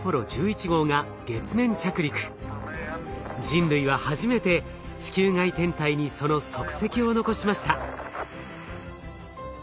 人類は初めて地球外天体にその足跡を残しました。